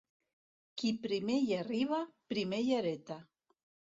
Qui primer hi arriba, primer hi hereta.